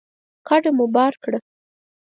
کډه مو بار کړه